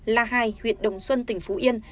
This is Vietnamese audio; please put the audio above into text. la hai huyện đồng xuân tỉnh phú yên